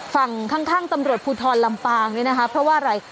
ฝั่งข้างตำรวจภูทรลำปางนี่นะคะเพราะว่าอะไร